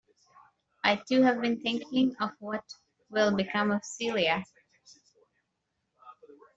I, too, have been thinking of what will become of Celia.